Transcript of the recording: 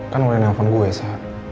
kan boleh nelfon gue sa